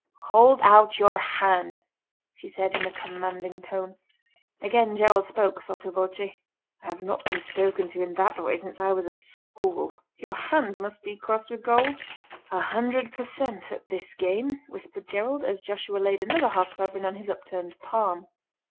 "Hold out your hand," she said in a commanding tone. Again Gerald spoke, sotto voce: "I have not been spoken to in that way since I was at school." "Your hand must be crossed with gold." "A hundred per cent. at this game," whispered Gerald, as Joshua laid another half sovereign on his upturned palm.